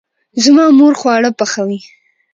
زما مور خواړه پخوي